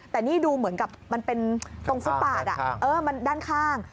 แต่นี่ดูเหมือนกับมันเป็นตรงฟุตปาดมันด้านข้าง